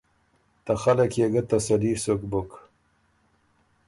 ته خلق يې ګۀ تسلي سُک بُک